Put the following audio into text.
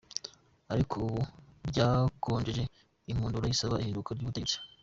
Ariko ubu ryakongeje inkundura isaba ihinduka ry'ubutegetsi.